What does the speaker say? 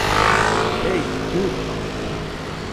Hey, dur!